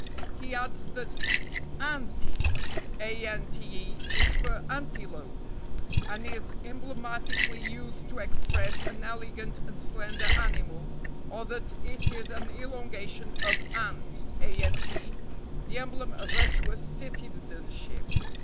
He adds that ante is for antelope, and is emblematically used to express an elegant and slender animal, or that it is an elongation of ant, the emblem of virtuous citizenship."